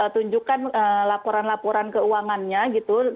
tunjukkan laporan laporan keuangannya gitu